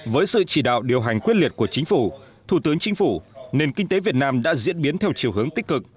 với sự chỉ đạo điều hành quyết liệt của chính phủ thủ tướng chính phủ nền kinh tế việt nam đã diễn biến theo chiều hướng tích cực